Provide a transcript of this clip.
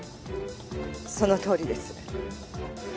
そのとおりです。